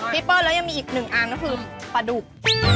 เปิ้ลแล้วยังมีอีกหนึ่งอันก็คือปลาดุก